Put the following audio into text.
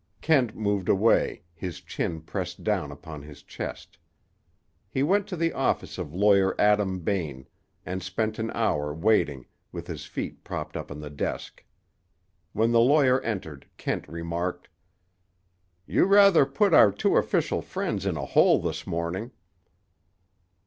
Kent moved away, his chin pressed down upon his chest. He went to the office of Lawyer Adam Bain, and spent an hour waiting, with his feet propped up on the desk. When the lawyer entered Kent remarked: "You rather put our two official friends in a hole this morning."